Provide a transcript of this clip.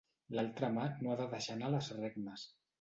L'altra mà no ha de deixar anar les regnes.